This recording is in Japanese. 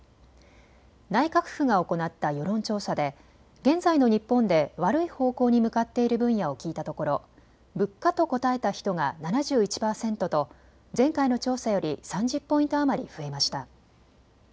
内閣府が行った世論調査で現在の日本で悪い方向に向かっている分野を聞いたところ物価と答えた人が７１％と前回の調査より３０ポイント余り増えました。